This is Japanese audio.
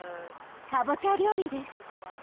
かぼちゃ料理です。